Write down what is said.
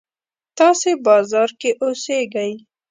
تاسې بازار کې اوسېږئ.